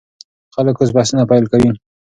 خلک اوس بحثونه پیل کوي.